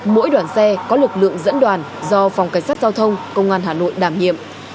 mỗi đoàn xe có lực lượng dẫn đoàn do phòng cảnh sát giao thông công an hà nội đảm nhiệm